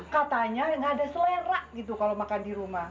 katanya nggak ada selera gitu kalau makan di rumah